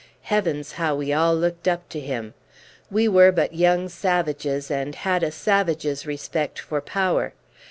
Heavens, how we all looked up to him! We were but young savages, and had a savage's respect for power.